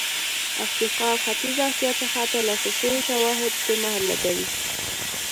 افریقا او ختیځې اسیا څخه ترلاسه شوي شواهد پرې مهر لګوي.